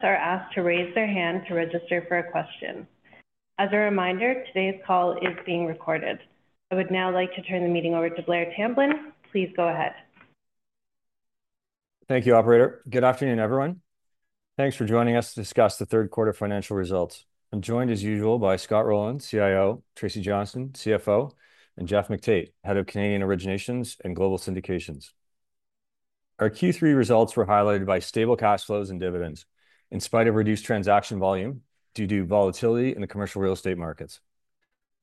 Are asked to raise their hand to register for a question. As a reminder, today's call is being recorded. I would now like to turn the meeting over to Blair Tamblyn. Please go ahead. Thank you, Operator. Good afternoon, everyone. Thanks for joining us to discuss the third quarter financial results. I'm joined, as usual, by Scott Rowland, CIO, Tracy Johnston, CFO, and Geoff McTait, Head of Canadian Originations and Global Syndications. Our Q3 results were highlighted by stable cash flows and dividends, in spite of reduced transaction volume due to volatility in the commercial real estate markets.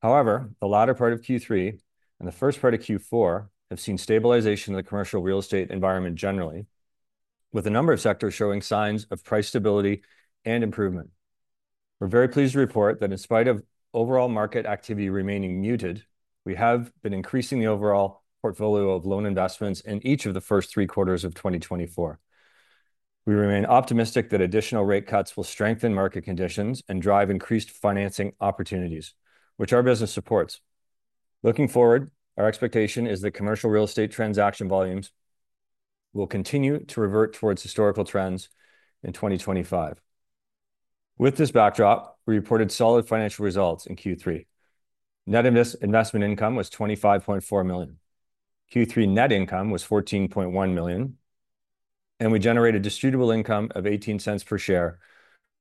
However, the latter part of Q3 and the first part of Q4 have seen stabilization of the commercial real estate environment generally, with a number of sectors showing signs of price stability and improvement. We're very pleased to report that, in spite of overall market activity remaining muted, we have been increasing the overall portfolio of loan investments in each of the first three quarters of 2024. We remain optimistic that additional rate cuts will strengthen market conditions and drive increased financing opportunities, which our business supports. Looking forward, our expectation is that commercial real estate transaction volumes will continue to revert towards historical trends in 2025. With this backdrop, we reported solid financial results in Q3. Net investment income was 25.4 million. Q3 net income was 14.1 million, and we generated distributable income of 0.18 per share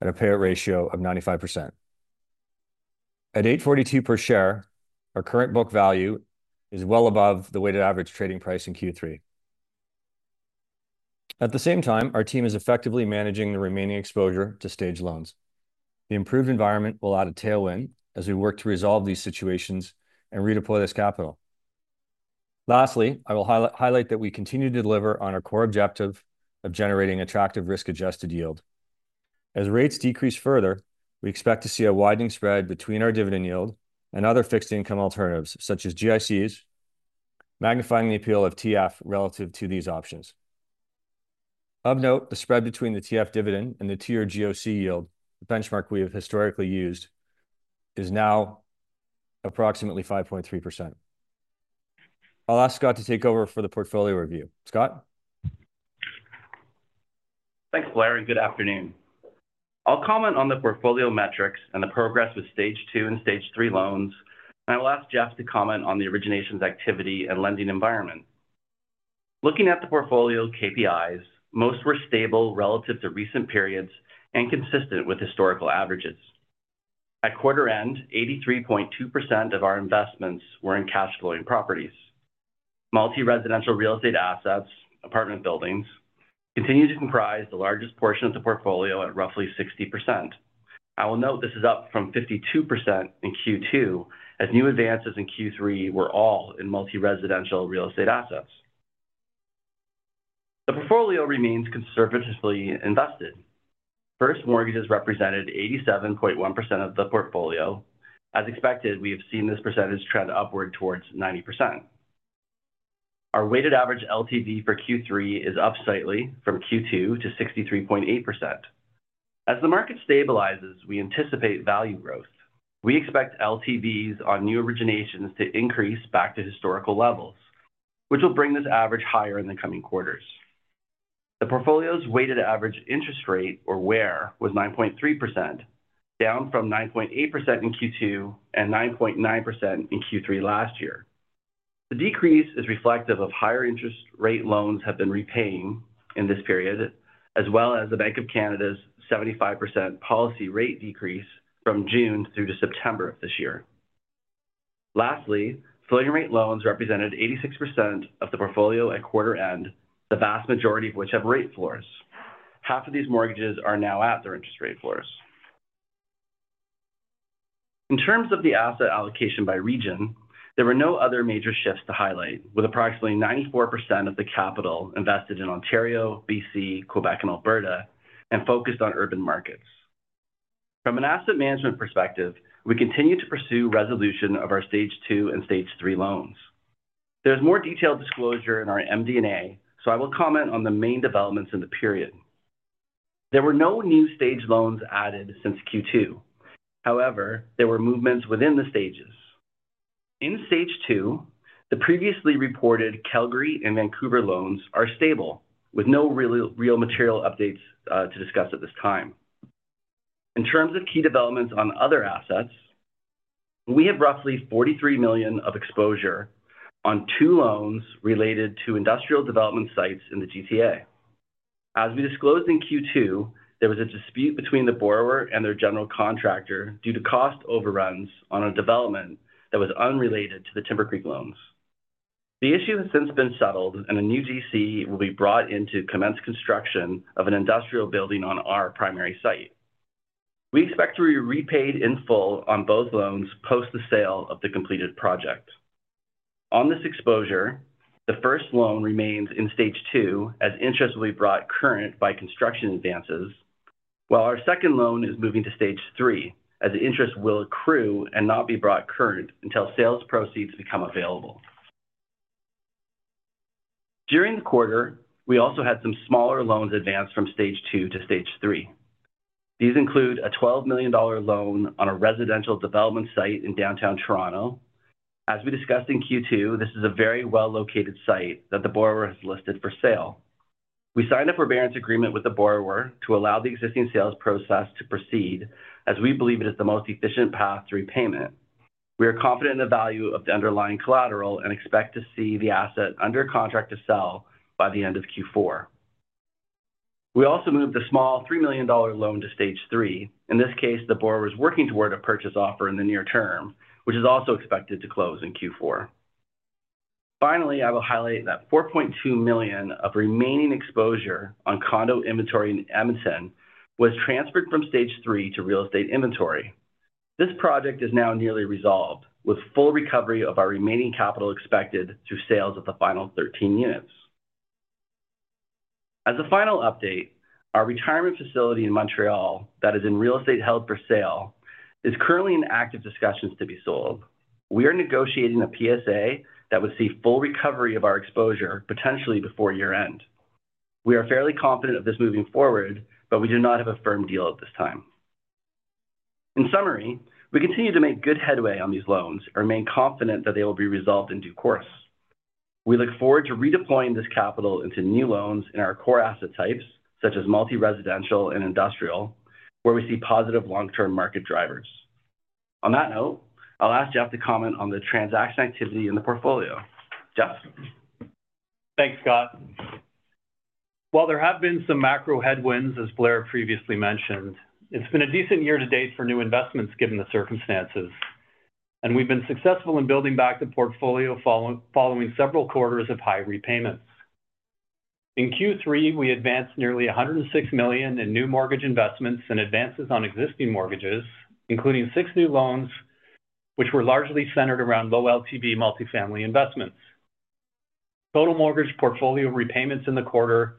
at a payout ratio of 95%. At 8.42 per share, our current book value is well above the weighted average trading price in Q3. At the same time, our team is effectively managing the remaining exposure to Stage 2 loans. The improved environment will add a tailwind as we work to resolve these situations and redeploy this capital. Lastly, I will highlight that we continue to deliver on our core objective of generating attractive risk-adjusted yield. As rates decrease further, we expect to see a widening spread between our dividend yield and other fixed income alternatives, such as GICs, magnifying the appeal of TF relative to these options. Of note, the spread between the TF dividend and the 5-year GOC yield, the benchmark we have historically used, is now approximately 5.3%. I'll ask Scott to take over for the portfolio review. Scott? Thanks, Blair. And good afternoon. I'll comment on the portfolio metrics and the progress with Stage 2 and Stage 3 loans, and I will ask Geoff to comment on the originations activity and lending environment. Looking at the portfolio KPIs, most were stable relative to recent periods and consistent with historical averages. At quarter end, 83.2% of our investments were in cash-flowing properties. Multi-residential real estate assets, apartment buildings, continue to comprise the largest portion of the portfolio at roughly 60%. I will note this is up from 52% in Q2, as new advances in Q3 were all in multi-residential real estate assets. The portfolio remains conservatively invested. First mortgages represented 87.1% of the portfolio. As expected, we have seen this percentage trend upward towards 90%. Our weighted average LTV for Q3 is up slightly from Q2 to 63.8%. As the market stabilizes, we anticipate value growth. We expect LTVs on new originations to increase back to historical levels, which will bring this average higher in the coming quarters. The portfolio's weighted average interest rate, or WAIR, was 9.3%, down from 9.8% in Q2 and 9.9% in Q3 last year. The decrease is reflective of higher interest rate loans have been repaying in this period, as well as the Bank of Canada's 75 basis points policy rate decrease from June through to September of this year. Lastly, floating rate loans represented 86% of the portfolio at quarter end, the vast majority of which have rate floors. Half of these mortgages are now at their interest rate floors. In terms of the asset allocation by region, there were no other major shifts to highlight, with approximately 94% of the capital invested in Ontario, BC, Quebec, and Alberta, and focused on urban markets. From an asset management perspective, we continue to pursue resolution of our Stage 2 and Stage 3 loans. There is more detailed disclosure in our MD&A, so I will comment on the main developments in the period. There were no new staged loans added since Q2. However, there were movements within the stages. In Stage 2, the previously reported Calgary and Vancouver loans are stable, with no real material updates to discuss at this time. In terms of key developments on other assets, we have roughly 43 million of exposure on two loans related to industrial development sites in the GTA. As we disclosed in Q2, there was a dispute between the borrower and their general contractor due to cost overruns on a development that was unrelated to the Timbercreek loans. The issue has since been settled, and a new GC will be brought in to commence construction of an industrial building on our primary site. We expect to be repaid in full on both loans post the sale of the completed project. On this exposure, the first loan remains in Stage 2 as interest will be brought current by construction advances, while our second loan is moving to Stage 3 as the interest will accrue and not be brought current until sales proceeds become available. During the quarter, we also had some smaller loans advanced from Stage 2 to Stage 3. These include a 12 million dollar loan on a residential development site in Downtown Toronto. As we discussed in Q2, this is a very well-located site that the borrower has listed for sale. We signed a forbearance agreement with the borrower to allow the existing sales process to proceed, as we believe it is the most efficient path to repayment. We are confident in the value of the underlying collateral and expect to see the asset under contract to sell by the end of Q4. We also moved the small $3 million loan to Stage 3. In this case, the borrower is working toward a purchase offer in the near term, which is also expected to close in Q4. Finally, I will highlight that $4.2 million of remaining exposure on condo inventory in Edmonton was transferred from Stage 3 to real estate inventory. This project is now nearly resolved, with full recovery of our remaining capital expected through sales of the final 13 units. As a final update, our retirement facility in Montreal that is in real estate held for sale is currently in active discussions to be sold. We are negotiating a PSA that would see full recovery of our exposure potentially before year-end. We are fairly confident of this moving forward, but we do not have a firm deal at this time. In summary, we continue to make good headway on these loans and remain confident that they will be resolved in due course. We look forward to redeploying this capital into new loans in our core asset types, such as multi-residential and industrial, where we see positive long-term market drivers. On that note, I'll ask Geoff to comment on the transaction activity in the portfolio. Geoff? Thanks, Scott. While there have been some macro headwinds, as Blair previously mentioned, it's been a decent year to date for new investments given the circumstances, and we've been successful in building back the portfolio following several quarters of high repayments. In Q3, we advanced nearly 106 million in new mortgage investments and advances on existing mortgages, including six new loans, which were largely centered around low LTV multifamily investments. Total mortgage portfolio repayments in the quarter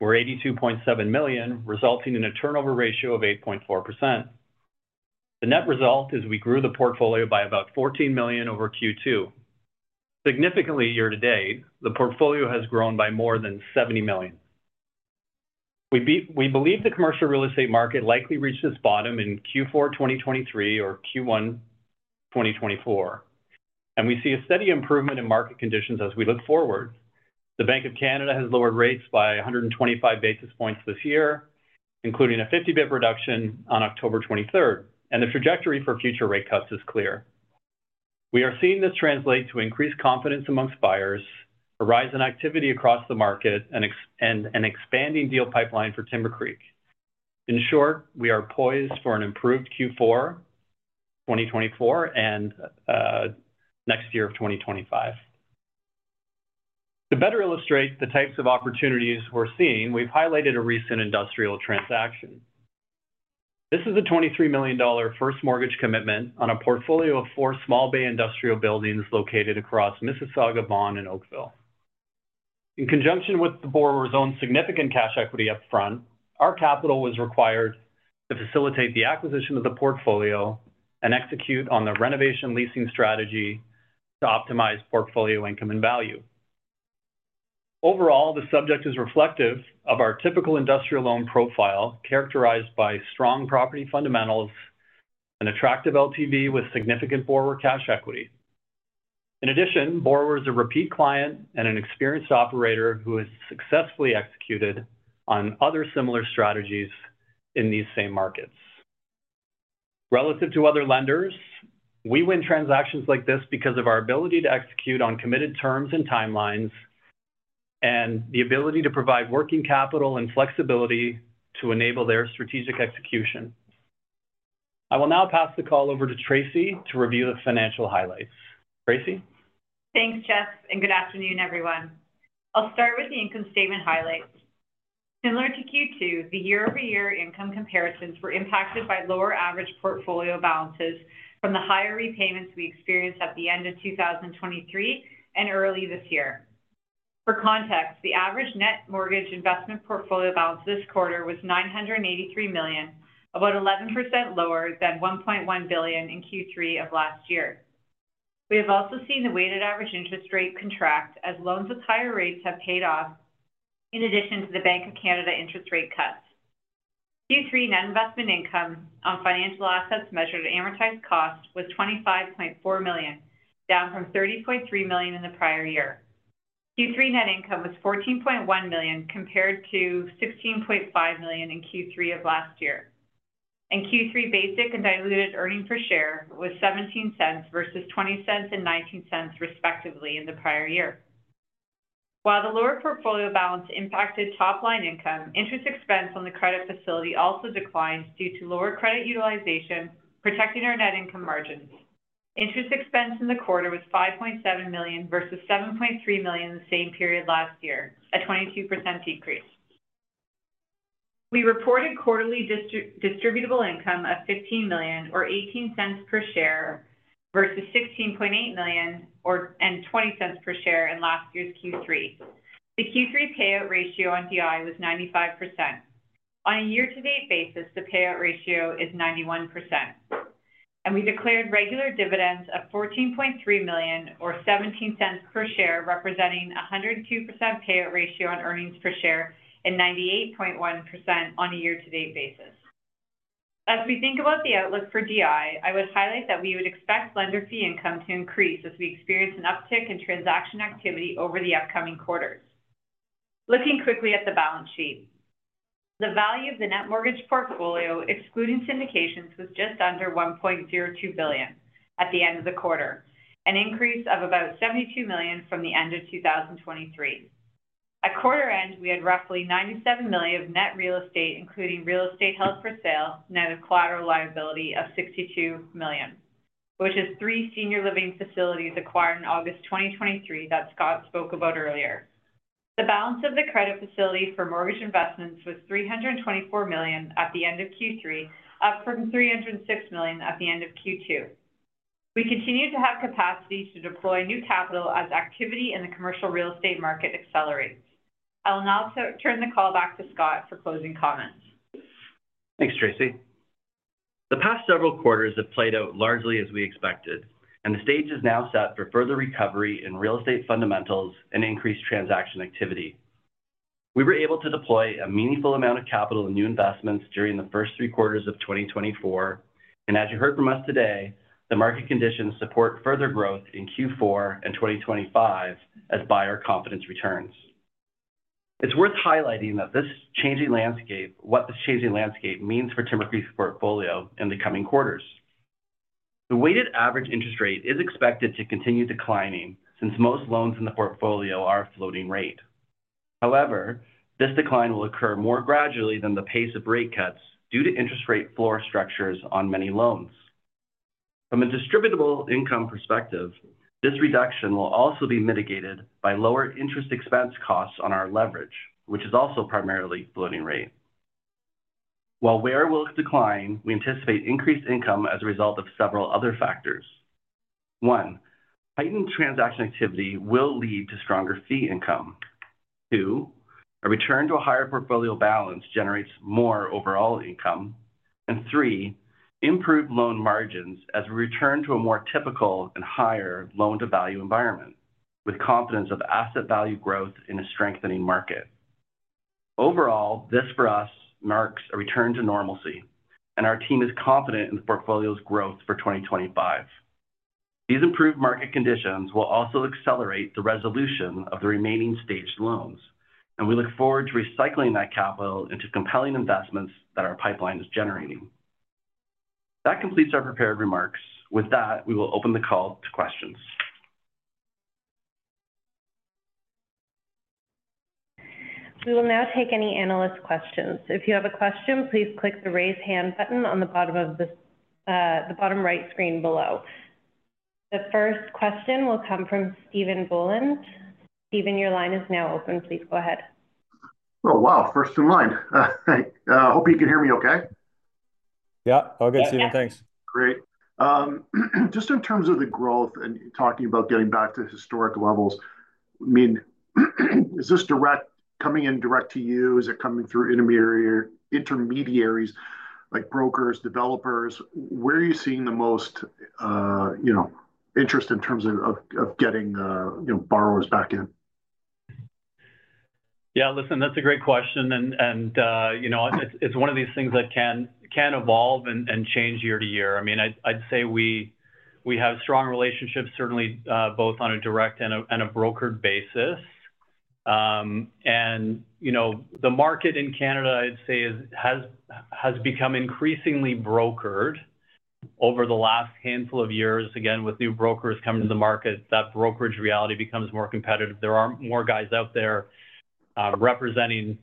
were 82.7 million, resulting in a turnover ratio of 8.4%. The net result is we grew the portfolio by about 14 million over Q2. Significantly, year to date, the portfolio has grown by more than 70 million. We believe the commercial real estate market likely reached its bottom in Q4 2023 or Q1 2024, and we see a steady improvement in market conditions as we look forward. The Bank of Canada has lowered rates by 125 basis points this year, including a 50 basis points reduction on October 23, and the trajectory for future rate cuts is clear. We are seeing this translate to increased confidence among buyers, a rise in activity across the market, and an expanding deal pipeline for Timbercreek. In short, we are poised for an improved Q4 2024 and next year of 2025. To better illustrate the types of opportunities we're seeing, we've highlighted a recent industrial transaction. This is a 23 million dollar first mortgage commitment on a portfolio of four small bay industrial buildings located across Mississauga, Brampton, and Oakville. In conjunction with the borrower's own significant cash equity upfront, our capital was required to facilitate the acquisition of the portfolio and execute on the renovation leasing strategy to optimize portfolio income and value. Overall, the subject is reflective of our typical industrial loan profile characterized by strong property fundamentals and attractive LTV with significant borrower cash equity. In addition, the borrower is a repeat client and an experienced operator who has successfully executed on other similar strategies in these same markets. Relative to other lenders, we win transactions like this because of our ability to execute on committed terms and timelines, and the ability to provide working capital and flexibility to enable their strategic execution. I will now pass the call over to Tracy to review the financial highlights. Tracy? Thanks, Geoff, and good afternoon, everyone. I'll start with the income statement highlights. Similar to Q2, the year-over-year income comparisons were impacted by lower average portfolio balances from the higher repayments we experienced at the end of 2023 and early this year. For context, the average net mortgage investment portfolio balance this quarter was 983 million, about 11% lower than 1.1 billion in Q3 of last year. We have also seen the weighted average interest rate contracted as loans with higher rates have paid off, in addition to the Bank of Canada interest rate cuts. Q3 net investment income on financial assets measured at amortized cost was 25.4 million, down from 30.3 million in the prior year. Q3 net income was 14.1 million compared to 16.5 million in Q3 of last year. Q3 basic and diluted earnings per share was 0.17 versus 0.20 and 0.19 respectively in the prior year. While the lower portfolio balance impacted top-line income, interest expense on the credit facility also declined due to lower credit utilization protecting our net income margins. Interest expense in the quarter was 5.7 million versus 7.3 million in the same period last year, a 22% decrease. We reported quarterly distributable income of 15 million, or 0.18 per share, versus 16.8 million and 0.20 per share in last year's Q3. The Q3 payout ratio on DI was 95%. On a year-to-date basis, the payout ratio is 91%. We declared regular dividends of 14.3 million, or 0.17 per share, representing a 102% payout ratio on earnings per share and 98.1% on a year-to-date basis. As we think about the outlook for DI, I would highlight that we would expect lender fee income to increase as we experience an uptick in transaction activity over the upcoming quarters. Looking quickly at the balance sheet, the value of the net mortgage portfolio, excluding syndications, was just under 1.02 billion at the end of the quarter, an increase of about 72 million from the end of 2023. At quarter-end, we had roughly 97 million of net real estate, including real estate held for sale, net of collateral liability of 62 million, which is three senior living facilities acquired in August 2023 that Scott spoke about earlier. The balance of the credit facility for mortgage investments was 324 million at the end of Q3, up from 306 million at the end of Q2. We continue to have capacity to deploy new capital as activity in the commercial real estate market accelerates. I will now turn the call back to Scott for closing comments. Thanks, Tracy. The past several quarters have played out largely as we expected, and the Stage is now set for further recovery in real estate fundamentals and increased transaction activity. We were able to deploy a meaningful amount of capital in new investments during the first three quarters of 2024, and as you heard from us today, the market conditions support further growth in Q4 and 2025 as buyer confidence returns. It's worth highlighting that this changing landscape, what this changing landscape means for Timbercreek's portfolio in the coming quarters. The weighted average interest rate is expected to continue declining since most loans in the portfolio are a floating rate. However, this decline will occur more gradually than the pace of rate cuts due to interest rate floor structures on many loans. From a distributable income perspective, this reduction will also be mitigated by lower interest expense costs on our leverage, which is also primarily floating rate. While WAIR will decline, we anticipate increased income as a result of several other factors. One, heightened transaction activity will lead to stronger fee income. Two, a return to a higher portfolio balance generates more overall income. And three, improved loan margins as we return to a more typical and higher loan-to-value environment, with confidence of asset value growth in a strengthening market. Overall, this for us marks a return to normalcy, and our team is confident in the portfolio's growth for 2025. These improved market conditions will also accelerate the resolution of the remaining staged loans, and we look forward to recycling that capital into compelling investments that our pipeline is generating. That completes our prepared remarks. With that, we will open the call to questions. We will now take any analyst questions. If you have a question, please click the raise hand button on the bottom of the bottom right screen below. The first question will come from Stephen Boland. Stephen, your line is now open. Please go ahead. Oh, wow. First in line. I hope you can hear me okay. Yep. All good, Stephen. Thanks. Great. Just in terms of the growth and talking about getting back to historic levels, I mean, is this directly coming in directly to you? Is it coming through intermediaries like brokers, developers? Where are you seeing the most interest in terms of getting borrowers back in? Yeah. Listen, that's a great question. And it's one of these things that can evolve and change year to year. I mean, I'd say we have strong relationships, certainly both on a direct and a brokered basis. And the market in Canada, I'd say, has become increasingly brokered over the last handful of years. Again, with new brokers coming to the market, that brokerage reality becomes more competitive. There are more guys out there representing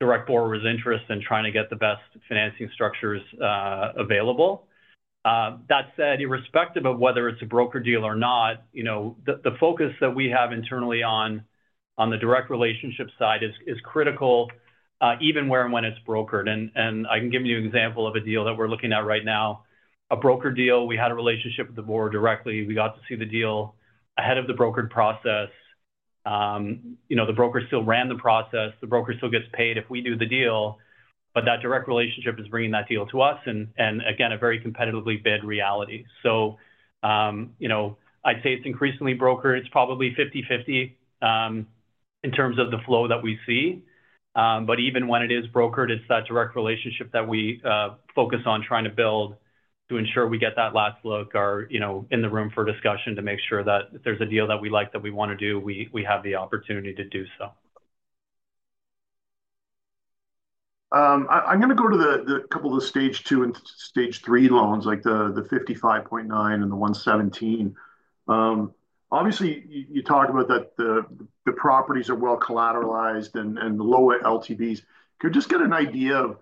direct borrowers' interests and trying to get the best financing structures available. That said, irrespective of whether it's a broker deal or not, the focus that we have internally on the direct relationship side is critical, even where and when it's brokered. And I can give you an example of a deal that we're looking at right now. A broker deal. We had a relationship with the borrower directly. We got to see the deal ahead of the brokered process. The broker still ran the process. The broker still gets paid if we do the deal. But that direct relationship is bringing that deal to us and, again, a very competitively bid reality. So I'd say it's increasingly brokered. It's probably 50/50 in terms of the flow that we see. But even when it is brokered, it's that direct relationship that we focus on trying to build to ensure we get that last look or in the room for discussion to make sure that if there's a deal that we like that we want to do, we have the opportunity to do so. I'm going to go to a couple of the Stage 2 and Stage 3 loans, like the $55.9 and the $117. Obviously, you talked about that the properties are well collateralized and the lower LTVs. Could you just get an idea of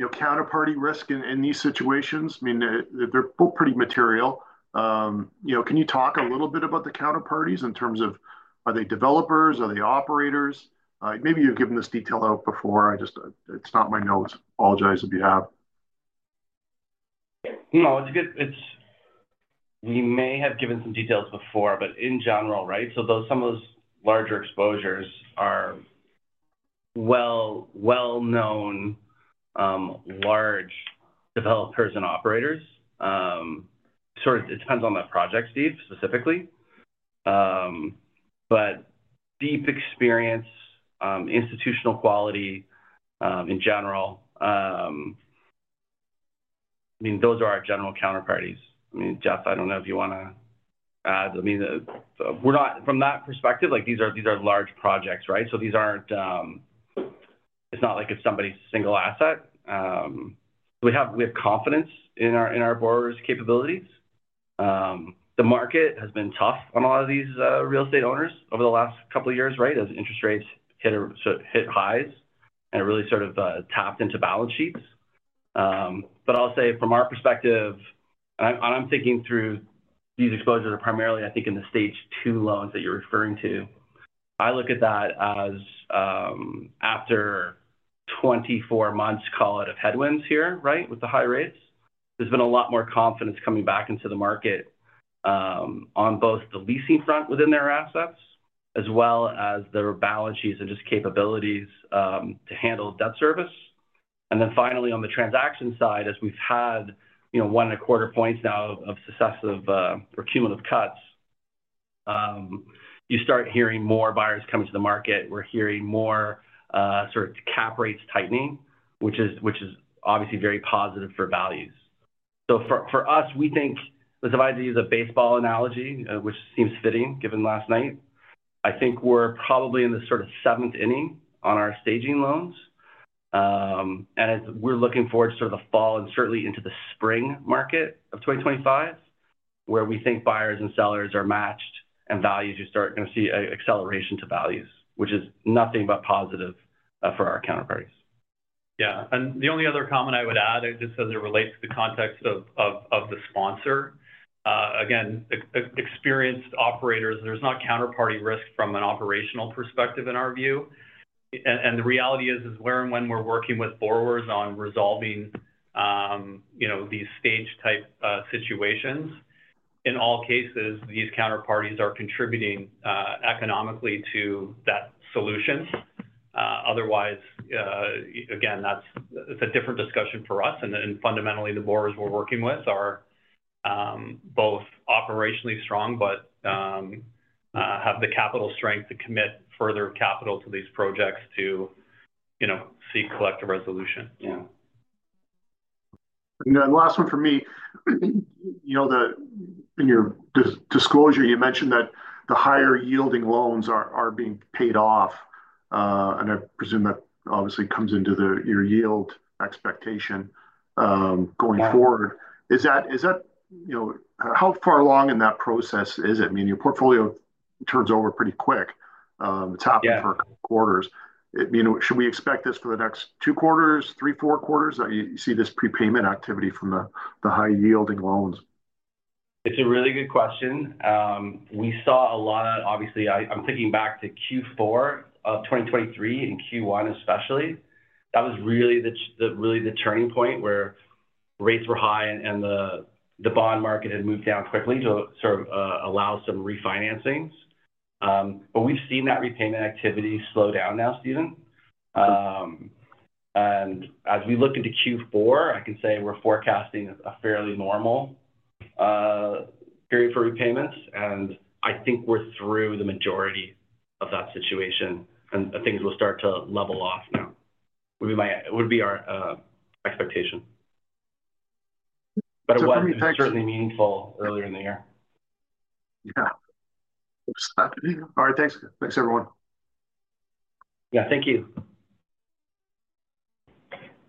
counterparty risk in these situations? I mean, they're both pretty material. Can you talk a little bit about the counterparties in terms of are they developers? Are they operators? Maybe you've given this detail out before. It's not my notes. Apologize if you have. No, it's good. We may have given some details before, but in general, right? So some of those larger exposures are well-known large developers and operators. Sort of it depends on the project, Steve, specifically. But deep experience, institutional quality in general, I mean, those are our general counterparties. I mean, Geoff, I don't know if you want to add. I mean, from that perspective, these are large projects, right? So it's not like it's somebody's single asset. We have confidence in our borrowers' capabilities. The market has been tough on a lot of these real estate owners over the last couple of years, right, as interest rates hit highs and really sort of tapped into balance sheets. But I'll say from our perspective, and I'm thinking through these exposures are primarily, I think, in the Stage 2 loans that you're referring to. I look at that as after 24 months, call it, of headwinds here, right, with the high rates. There's been a lot more confidence coming back into the market on both the leasing front within their assets as well as their balance sheets and just capabilities to handle debt service. And then finally, on the transaction side, as we've had one and a quarter points now of successive or cumulative cuts, you start hearing more buyers coming to the market. We're hearing more sort of cap rates tightening, which is obviously very positive for values. So for us, we think, let's if I had to use a baseball analogy, which seems fitting given last night, I think we're probably in the sort of seventh inning on our Stage 3 loans. And we're looking forward to sort of the fall and certainly into the spring market of 2025, where we think buyers and sellers are matched and values. You start going to see acceleration to values, which is nothing but positive for our counterparties. Yeah. And the only other comment I would add, just as it relates to the context of the sponsor, again, experienced operators, there's not counterparty risk from an operational perspective in our view. And the reality is where and when we're working with borrowers on resolving these stage-type situations. In all cases, these counterparties are contributing economically to that solution. Otherwise, again, that's a different discussion for us. And fundamentally, the borrowers we're working with are both operationally strong but have the capital strength to commit further capital to these projects to seek collective resolution. Yeah. Last one for me. In your disclosure, you mentioned that the higher-yielding loans are being paid off. I presume that obviously comes into your yield expectation going forward. Is that how far along in that process is it? I mean, your portfolio turns over pretty quick. It's happened for a couple of quarters. I mean, should we expect this for the next two quarters, three, four quarters? You see this prepayment activity from the high-yielding loans? It's a really good question. We saw a lot. Obviously, I'm thinking back to Q4 of 2023 and Q1 especially. That was really the turning point where rates were high and the bond market had moved down quickly to sort of allow some refinancings. But we've seen that repayment activity slow down now, Steven. And as we look into Q4, I can say we're forecasting a fairly normal period for repayments. And I think we're through the majority of that situation. And things will start to level off now. It would be our expectation. But it was certainly meaningful earlier in the year. Yeah. All right. Thanks, everyone. Yeah. Thank you.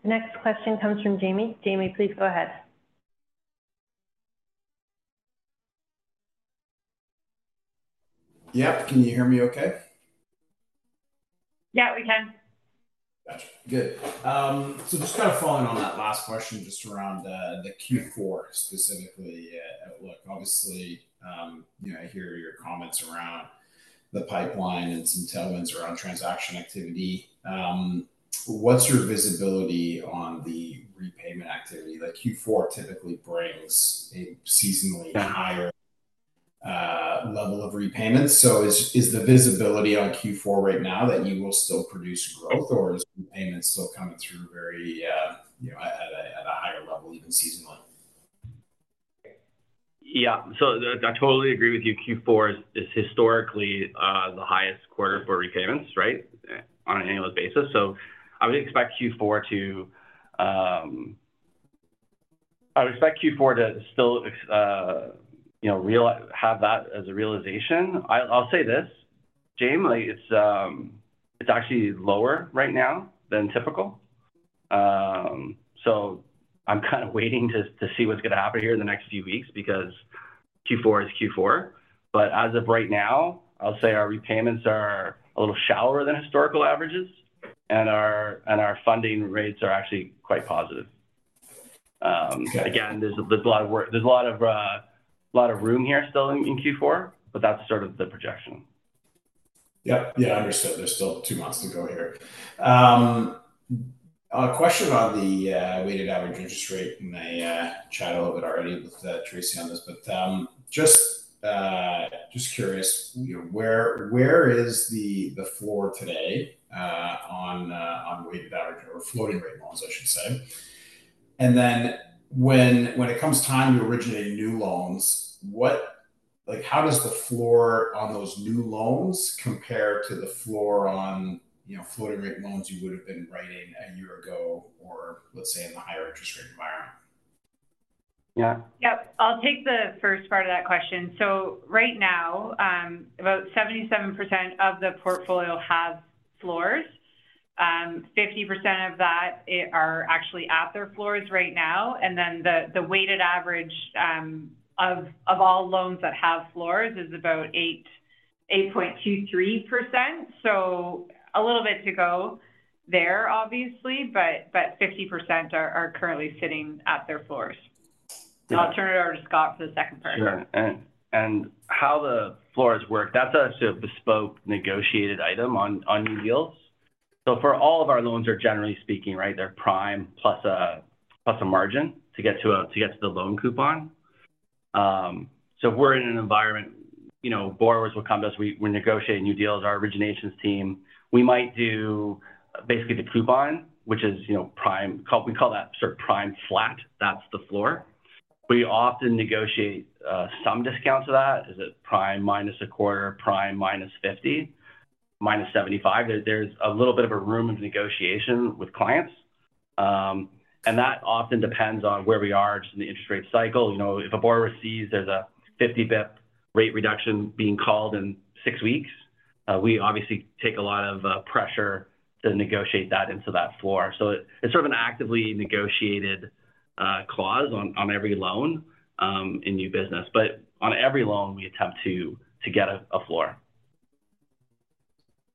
Next question comes from Jaeme. Jaeme, please go ahead. Yep. Can you hear me okay? Yeah, we can. Gotcha. Good. So just kind of following on that last question just around the Q4 specifically outlook. Obviously, I hear your comments around the pipeline and some tailwinds around transaction activity. What's your visibility on the repayment activity that Q4 typically brings, a seasonally higher level of repayments? So is the visibility on Q4 right now that you will still produce growth, or is repayment still coming through very at a higher level even seasonally? Yeah. So I totally agree with you. Q4 is historically the highest quarter for repayments, right, on an annual basis. So I would expect Q4 to still have that as a realization. I'll say this, James, it's actually lower right now than typical. So I'm kind of waiting to see what's going to happen here in the next few weeks because Q4 is Q4. But as of right now, I'll say our repayments are a little shallower than historical averages, and our funding rates are actually quite positive. Again, there's a lot of room here still in Q4, but that's sort of the projection. Yep. Yeah. Understood. There's still two months to go here. A question on the weighted average interest rate, and I chatted a little bit already with Tracy on this, but just curious, where is the floor today on weighted average or floating rate loans, I should say, and then when it comes time to originate new loans, how does the floor on those new loans compare to the floor on floating rate loans you would have been writing a year ago or, let's say, in the higher interest rate environment? Yeah. Yep. I'll take the first part of that question. So right now, about 77% of the portfolio have floors. 50% of that are actually at their floors right now. And then the weighted average of all loans that have floors is about 8.23%. So a little bit to go there, obviously, but 50% are currently sitting at their floors. And I'll turn it over to Scott for the second part. Sure. And how the floors work, that's actually a bespoke negotiated item on new deals. So for all of our loans, generally speaking, right, they're prime plus a margin to get to the loan coupon. So if we're in an environment, borrowers will come to us. We negotiate new deals. Our originations team, we might do basically the coupon, which is prime, we call that sort of prime flat. That's the floor. We often negotiate some discount to that. Is it prime minus a quarter, prime minus 50, minus 75? There's a little bit of a room of negotiation with clients. And that often depends on where we are just in the interest rate cycle. If a borrower sees there's a 50 basis point rate reduction being called in six weeks, we obviously take a lot of pressure to negotiate that into that floor. So it's sort of an actively negotiated clause on every loan in new business. But on every loan, we attempt to get a floor.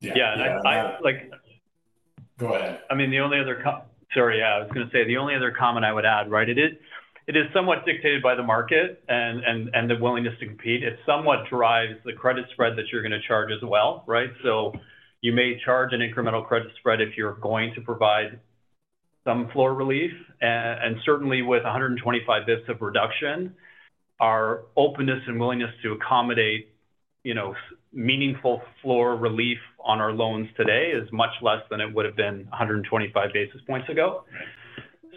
Yeah. And I. Go ahead. I mean, the only other comment I would add, right? It is somewhat dictated by the market and the willingness to compete. It somewhat drives the credit spread that you're going to charge as well, right? So you may charge an incremental credit spread if you're going to provide some floor relief. And certainly, with 125 basis points of reduction, our openness and willingness to accommodate meaningful floor relief on our loans today is much less than it would have been 125 basis points ago.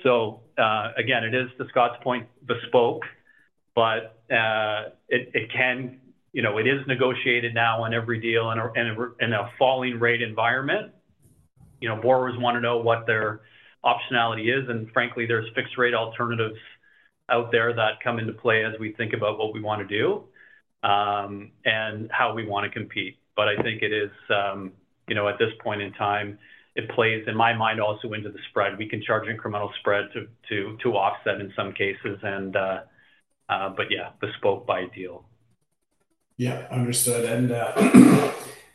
So again, it is, to Scott's point, bespoke, but it is negotiated now on every deal in a falling rate environment. Borrowers want to know what their optionality is. And frankly, there's fixed-rate alternatives out there that come into play as we think about what we want to do and how we want to compete. But I think it is, at this point in time, it plays, in my mind, also into the spread. We can charge incremental spread to offset in some cases. But yeah, bespoke by deal. Yeah. Understood. And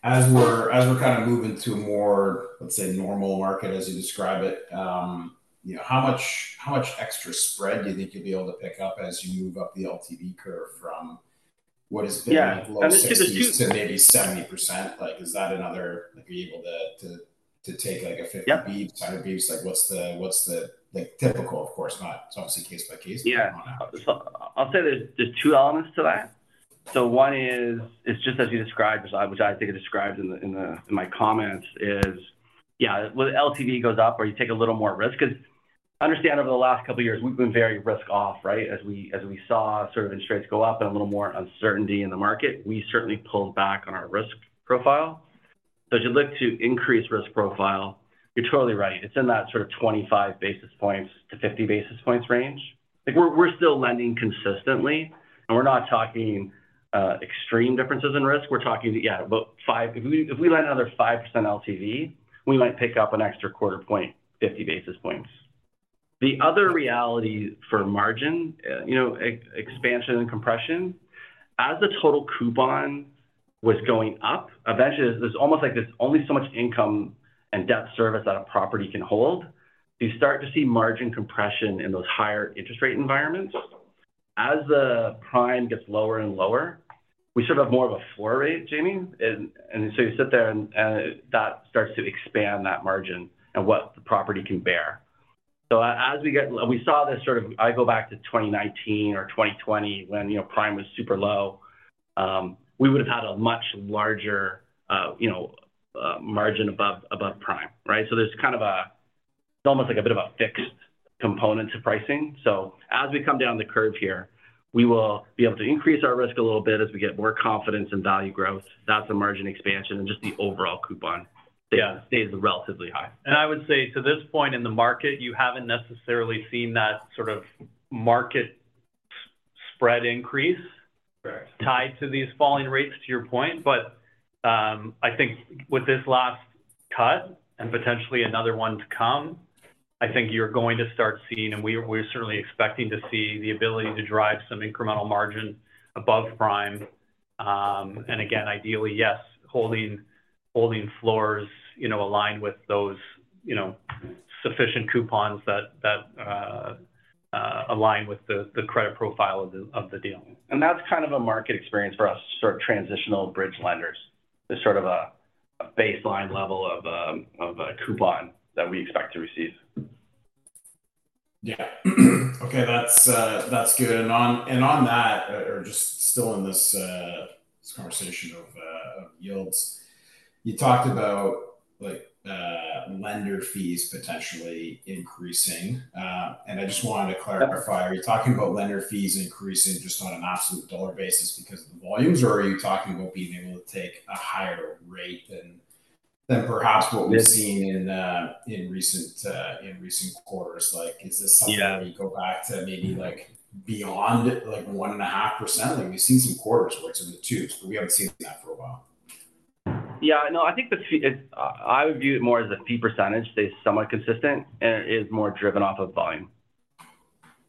as we're kind of moving to a more, let's say, normal market, as you describe it, how much extra spread do you think you'll be able to pick up as you move up the LTV curve from what has been low 60s to maybe 70%? Is that another, are you able to take a 50 basis points, 100 basis points? What's the typical? Of course, it's obviously case by case. Yeah. I'll say there's two elements to that. So one is just as you described, which I think it describes in my comments, is, yeah, when the LTV goes up or you take a little more risk because I understand over the last couple of years, we've been very risk-off, right? As we saw sort of interest rates go up and a little more uncertainty in the market, we certainly pulled back on our risk profile. So as you look to increase risk profile, you're totally right. It's in that sort of 25-50 basis points range. We're still lending consistently. And we're not talking extreme differences in risk. We're talking, yeah, about if we lend another 5% LTV, we might pick up an extra quarter point, 50 basis points. The other reality for margin expansion and compression, as the total coupon was going up, eventually, there's almost like there's only so much income and debt service that a property can hold. You start to see margin compression in those higher interest rate environments. As the prime gets lower and lower, we sort of have more of a floor rate, Jaeme, and so you sit there and that starts to expand that margin and what the property can bear. So as we get, we saw this sort of, I go back to 2019 or 2020 when prime was super low. We would have had a much larger margin above prime, right? So there's kind of a, it's almost like a bit of a fixed component to pricing. So as we come down the curve here, we will be able to increase our risk a little bit as we get more confidence in value growth. That's the margin expansion and just the overall coupon stays relatively high, and I would say to this point in the market, you haven't necessarily seen that sort of market spread increase tied to these falling rates, to your point, but I think with this last cut and potentially another one to come, I think you're going to start seeing, and we're certainly expecting to see the ability to drive some incremental margin above prime, and again, ideally, yes, holding floors aligned with those sufficient coupons that align with the credit profile of the deal, and that's kind of a market experience for us, sort of transitional bridge lenders. There's sort of a baseline level of a coupon that we expect to receive. Yeah. Okay. That's good. And on that, or just still in this conversation of yields, you talked about lender fees potentially increasing. And I just wanted to clarify. Are you talking about lender fees increasing just on an absolute dollar basis because of the volumes, or are you talking about being able to take a higher rate than perhaps what we've seen in recent quarters? Is this something that we go back to maybe beyond 1.5%? We've seen some quarters where it's in the twos, but we haven't seen that for a while. Yeah. No, I think I would view it more as a fee percentage. They're somewhat consistent and it is more driven off of volume.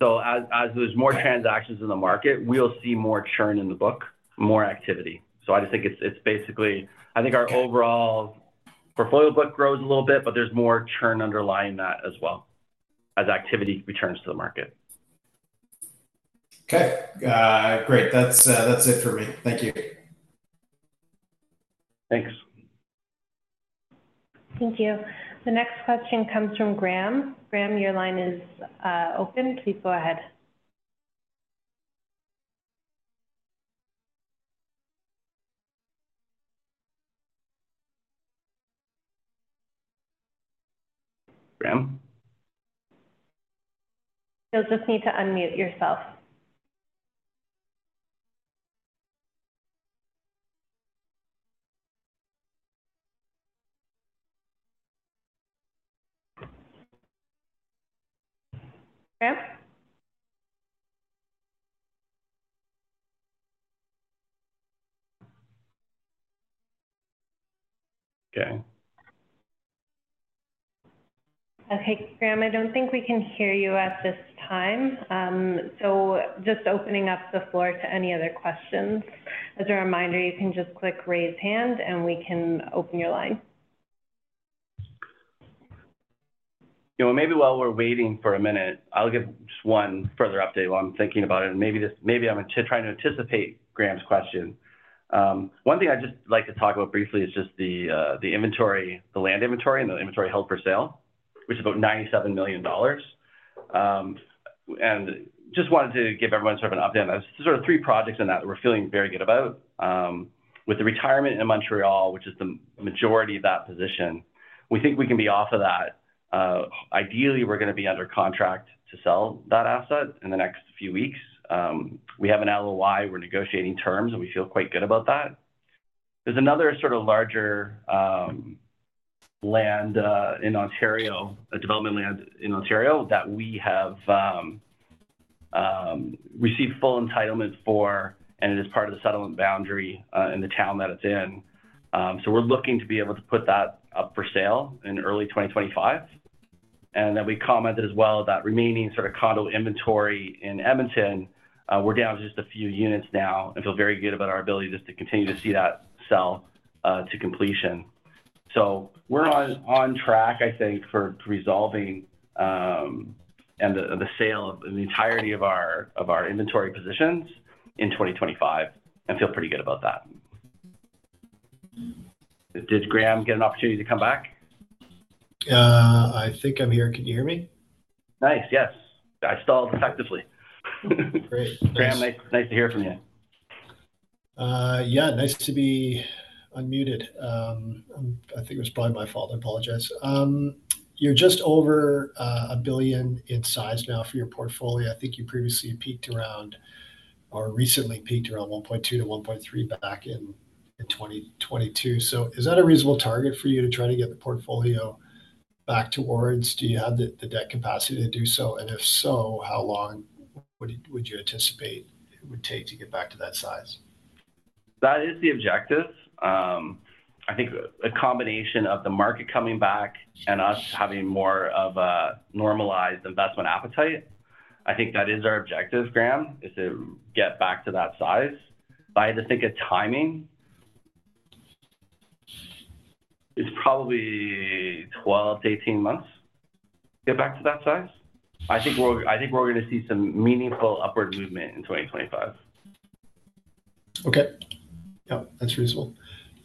So as there's more transactions in the market, we'll see more churn in the book, more activity. So I just think it's basically, I think our overall portfolio book grows a little bit, but there's more churn underlying that as well as activity returns to the market. Okay. Great. That's it for me. Thank you. Thanks. Thank you. The next question comes from Graham. Graham, your line is open. Please go ahead. Graham? You'll just need to unmute yourself. Graham? Okay. Okay. Graham, I don't think we can hear you at this time. So just opening up the floor to any other questions. As a reminder, you can just click raise hand and we can open your line. Maybe while we're waiting for a minute, I'll give just one further update while I'm thinking about it. And maybe I'm trying to anticipate Graham's question. One thing I'd just like to talk about briefly is just the inventory, the land inventory and the inventory held for sale, which is about $97 million. And just wanted to give everyone sort of an update. There's sort of three projects in that that we're feeling very good about. With the retirement in Montreal, which is the majority of that position, we think we can be off of that. Ideally, we're going to be under contract to sell that asset in the next few weeks. We have an LOI. We're negotiating terms, and we feel quite good about that. There's another sort of larger land in Ontario, a development land in Ontario that we have received full entitlement for, and it is part of the settlement boundary in the town that it's in. So we're looking to be able to put that up for sale in early 2025. And then we commented as well that remaining sort of condo inventory in Edmonton, we're down to just a few units now and feel very good about our ability just to continue to see that sell to completion. So we're on track, I think, for resolving and the sale of the entirety of our inventory positions in 2025 and feel pretty good about that. Did Graham get an opportunity to come back? I think I'm here. Can you hear me? Nice. Yes. I stalled effectively. Great. Graham, nice to hear from you. Yeah. Nice to be unmuted. I think it was probably my fault. I apologize. You're just over a billion in size now for your portfolio. I think you previously peaked around or recently peaked around 1.2-1.3 back in 2022. So is that a reasonable target for you to try to get the portfolio back towards? Do you have the debt capacity to do so? And if so, how long would you anticipate it would take to get back to that size? That is the objective. I think a combination of the market coming back and us having more of a normalized investment appetite. I think that is our objective, Graham, is to get back to that size. But I had to think of timing. It's probably 12 months-18 months to get back to that size. I think we're going to see some meaningful upward movement in 2025. Okay. Yep. That's reasonable.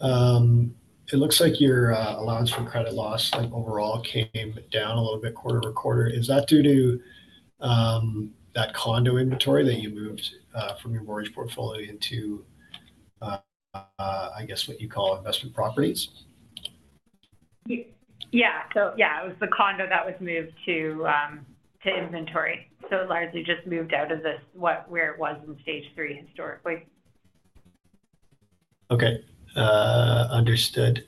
It looks like your allowance for credit loss overall came down a little bit quarter over quarter. Is that due to that condo inventory that you moved from your mortgage portfolio into, I guess, what you call investment properties? Yeah. So yeah, it was the condo that was moved to inventory. So it largely just moved out of where it was in Stage 3 historically. Okay. Understood.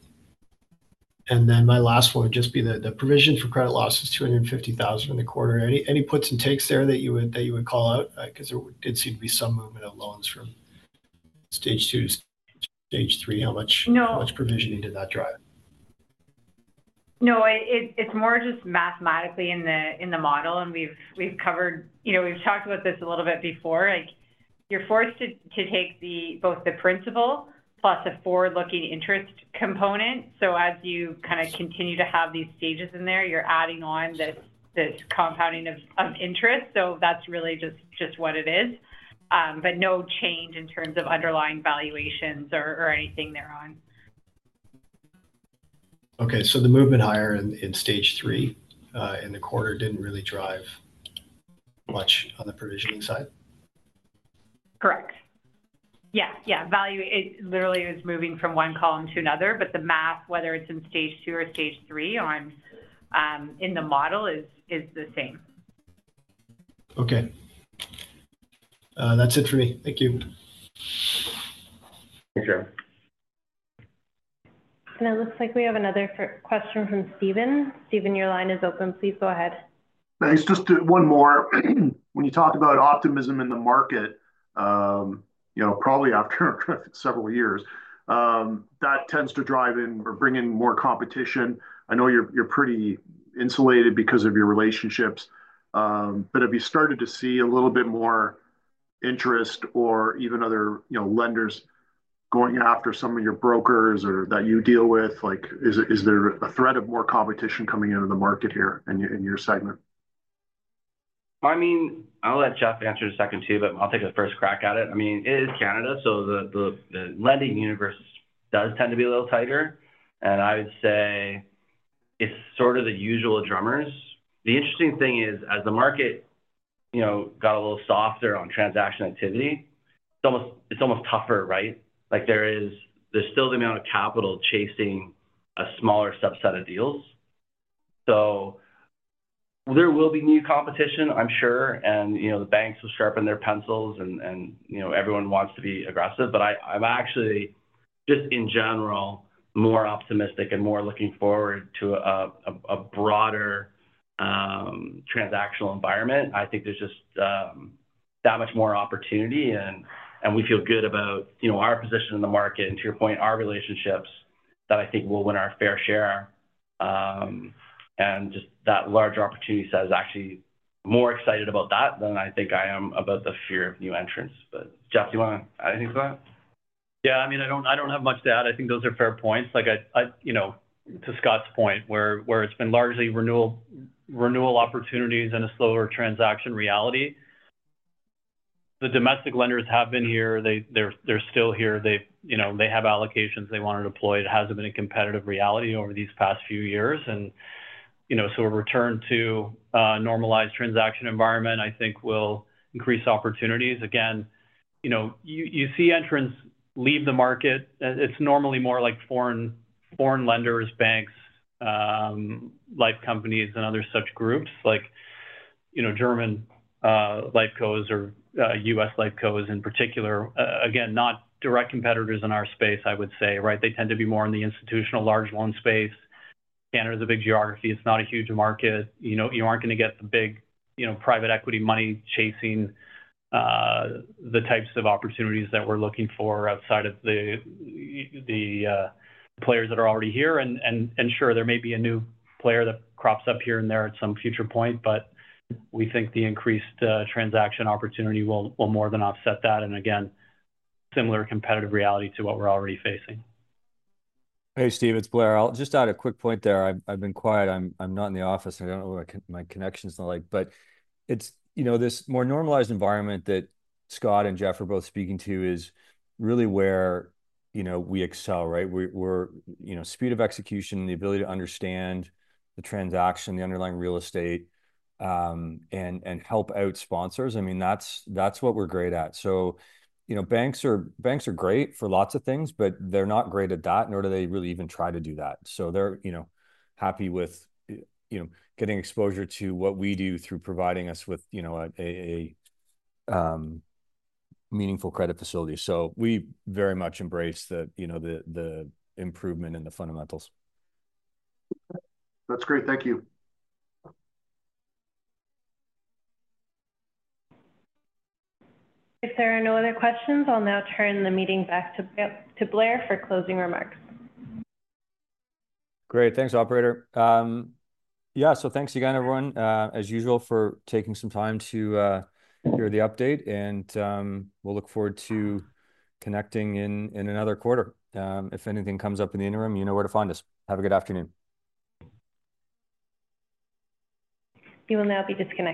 And then my last one would just be the provision for credit loss is 250,000 in the quarter. Any puts and takes there that you would call out? Because there did seem to be some movement of loans from Stage 2 to Stage 3. How much provisioning did that drive? No. It's more just mathematically in the model, and we've talked about this a little bit before. You're forced to take both the principal plus a forward-looking interest component, so as you kind of continue to have these stages in there, you're adding on this compounding of interest, so that's really just what it is, but no change in terms of underlying valuations or anything thereon. Okay. So the movement higher in Stage 3 in the quarter didn't really drive much on the provisioning side? Correct. Yeah. Yeah. Literally, it was moving from one column to another. But the math, whether it's in Stage 2 or Stage 3 in the model, is the same. Okay. That's it for me. Thank you. Thank you. It looks like we have another question from Stephen. Stephen, your line is open. Please go ahead. Thanks. Just one more. When you talk about optimism in the market, probably after several years, that tends to drive in or bring in more competition. I know you're pretty insulated because of your relationships. But have you started to see a little bit more interest or even other lenders going after some of your brokers that you deal with? Is there a threat of more competition coming into the market here in your segment? I mean, I'll let Geoff answer in a second too, but I'll take the first crack at it. I mean, it is Canada. So the lending universe does tend to be a little tighter. And I would say it's sort of the usual drumbeat. The interesting thing is, as the market got a little softer on transaction activity, it's almost tougher, right? There's still the amount of capital chasing a smaller subset of deals. So there will be new competition, I'm sure. And the banks will sharpen their pencils, and everyone wants to be aggressive. But I'm actually, just in general, more optimistic and more looking forward to a broader transactional environment. I think there's just that much more opportunity. And we feel good about our position in the market and, to your point, our relationships that I think will win our fair share. Just that larger opportunity set is actually more excited about that than I think I am about the fear of new entrants. Geoff, do you want to add anything to that? Yeah. I mean, I don't have much to add. I think those are fair points. To Scott's point, where it's been largely renewal opportunities and a slower transaction reality, the domestic lenders have been here. They're still here. They have allocations they want to deploy. It hasn't been a competitive reality over these past few years. And so a return to a normalized transaction environment, I think, will increase opportunities. Again, you see entrants leave the market. It's normally more like foreign lenders, banks, life companies, and other such groups like German LifeCos or U.S. LifeCos in particular. Again, not direct competitors in our space, I would say, right? They tend to be more in the institutional large loan space. Canada is a big geography. It's not a huge market. You aren't going to get the big private equity money chasing the types of opportunities that we're looking for outside of the players that are already here. And sure, there may be a new player that crops up here and there at some future point, but we think the increased transaction opportunity will more than offset that. And again, similar competitive reality to what we're already facing. Hey, Steve, it's Blair. I'll just add a quick point there. I've been quiet. I'm not in the office. I don't know what my connection's like, but this more normalized environment that Scott and Geoff are both speaking to is really where we excel, right? Speed of execution, the ability to understand the transaction, the underlying real estate, and help out sponsors. I mean, that's what we're great at, so banks are great for lots of things, but they're not great at that, nor do they really even try to do that, so they're happy with getting exposure to what we do through providing us with a meaningful credit facility, so we very much embrace the improvement in the fundamentals. That's great. Thank you. If there are no other questions, I'll now turn the meeting back to Blair for closing remarks. Great. Thanks, operator. Yeah. So thanks again, everyone, as usual, for taking some time to hear the update. And we'll look forward to connecting in another quarter. If anything comes up in the interim, you know where to find us. Have a good afternoon. You will now be disconnected.